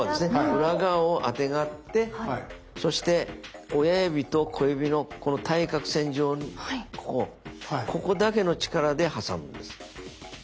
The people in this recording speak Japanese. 裏側をあてがってそして親指と小指のこの対角線上ここだけの力で挟むんです。